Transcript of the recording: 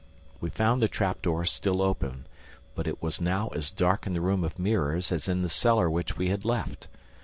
We found the trap door still open, but it was now as dark in the room of mirrors as in the cellar which we had left.